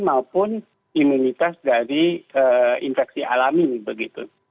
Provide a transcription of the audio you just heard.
maupun imunitas dari infeksi alami begitu